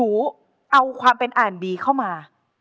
คือเรา